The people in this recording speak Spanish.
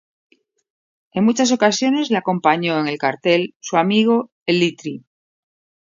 En muchas ocasiones le acompañó en el cartel su amigo, El Litri.